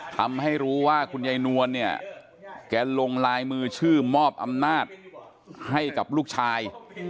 ทำให้รู้ว่าคุณยายนวลเนี่ยแกลงลายมือชื่อมอบอำนาจให้กับลูกชาย